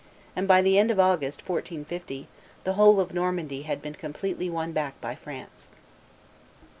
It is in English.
and by the end of August, 1450, the whole of Normandy had been completely won back by France.